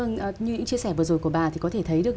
như chị chia sẻ vừa rồi của bà thì có thể thấy được